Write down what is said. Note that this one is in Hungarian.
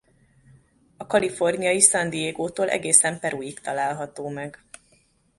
A kaliforniai San Diegótól egészen Peruig található meg.